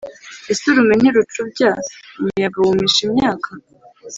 Ese urume ntirucubya umuyaga wumisha imyaka?